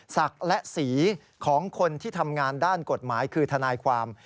ศักดิ์และสีของคนที่ทำงานด้านกฎหมายคือทนายความ